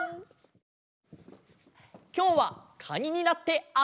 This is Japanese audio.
きょうはカニになってあそぶカニ！